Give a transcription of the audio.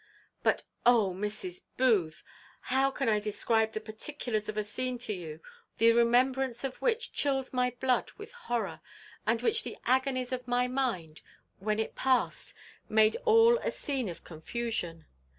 But oh! Mrs. Booth, how can I describe the particulars of a scene to you, the remembrance of which chills my blood with horror, and which the agonies of my mind, when it past, made all a scene of confusion!